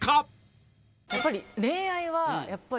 やっぱり。